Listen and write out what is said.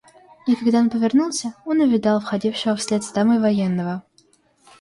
И когда он повернулся, он увидал входившего вслед за дамой военного.